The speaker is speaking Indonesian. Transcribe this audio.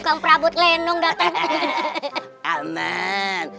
tukang perabot lenung dateng